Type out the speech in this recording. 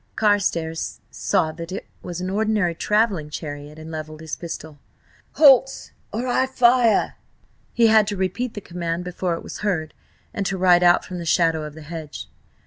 Carstares saw that it was an ordinary travelling chariot, and levelled his pistol. "Halt, or I fire!" He had to repeat the command before it was heard, and to ride out from the shadow of the hedge.